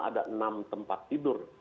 ada enam tempat tidur